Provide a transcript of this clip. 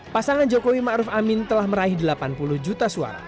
pasangan jokowi ma'ruf amin telah meraih delapan puluh juta suara